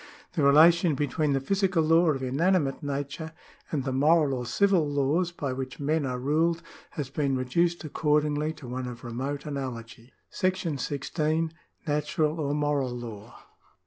The relation between the physical law of inanimate nature and the moral or civil laws by which men are ruled has been reduced accordingly to one of remote analogy. § 16. Natural or Moral Law.